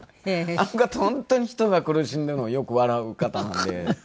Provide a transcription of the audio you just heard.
あの方本当に人が苦しんでいるのをよく笑う方なんで。